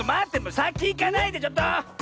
さきいかないでちょっと！